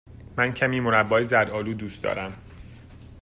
من کمی مربای زرد آلو دوست دارم.